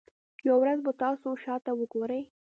یوه ورځ به تاسو شاته وګورئ.